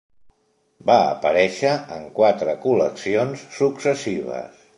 Va aparèixer en quatre col·leccions successives.